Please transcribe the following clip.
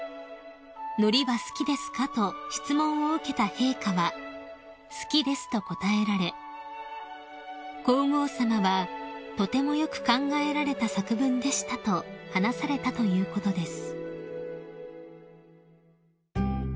［「のりは好きですか？」と質問を受けた陛下は「好きです」と答えられ皇后さまは「とてもよく考えられた作文でした」と話されたということです］